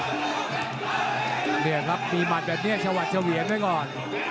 เนี่ยครับมีหมัดแบบนี้ชวัดเฉวียนไว้ก่อน